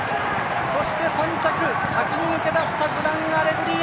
そして、３着、先に抜け出したグランアレグリア。